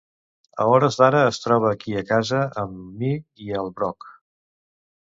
A hores d'ara es troba aquí a casa amb mi i el Brock.